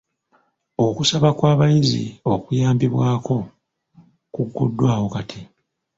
Okusaba kw'abayizi okuyambibwako kugguddwawo kati.